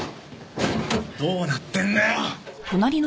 どうなってんだよ！？